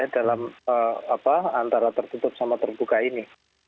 dalam antara tertutup sama terbuka ini